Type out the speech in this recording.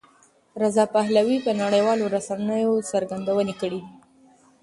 رضا پهلوي په نړیوالو رسنیو څرګندونې کړې دي.